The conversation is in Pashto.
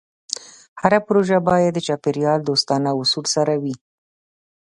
هره پروژه باید د چاپېریال دوستانه اصولو سره وي.